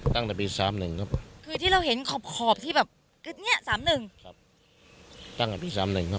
ตั้งแต่ปี๓๑ที่เราเห็นขอบที่แบบกึดเนี่ยตั้งแต่ปี๓๑